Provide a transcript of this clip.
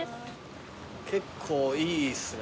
結構いいっすね。